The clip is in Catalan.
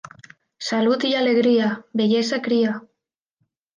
Salut i alegria, bellesa cria.